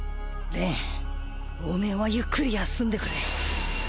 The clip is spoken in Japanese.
おめえはゆっくり休んでくれ。